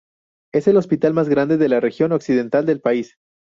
Es el hospital más grande de la región occidental del país.